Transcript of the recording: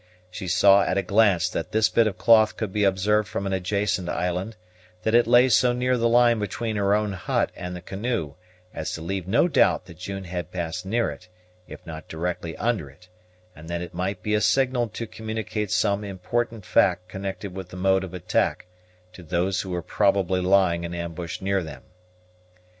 She saw at a glance that this bit of cloth could be observed from an adjacent island; that it lay so near the line between her own hut and the canoe as to leave no doubt that June had passed near it, if not directly under it; and that it might be a signal to communicate some important fact connected with the mode of attack to those who were probably lying in ambush near them.